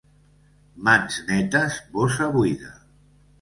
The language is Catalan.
Mans netes, bossa buida.